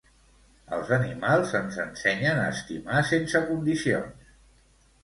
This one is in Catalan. Els animals ens ensenyen a estimar sense condicions.